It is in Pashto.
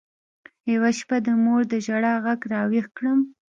يوه شپه د مور د ژړا ږغ راويښ کړم.